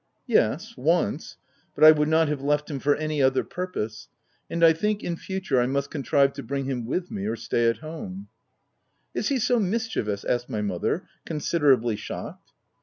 " Yes, once ; but I would not have left him for any other purpose ; and I think, in future, I must contrive to bring him with me, or stay at home." 44 THE TENANT " Is he so mischievous ?" asked my mother, considerably shocked.